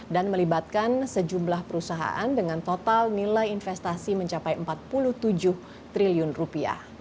dan melibatkan sejumlah perusahaan dengan total nilai investasi mencapai empat puluh tujuh triliun rupiah